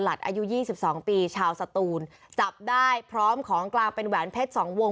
อายุยี่สิบสองปีชาวสตูนจับได้พร้อมของกลางเป็นแหวนเพชรสองวง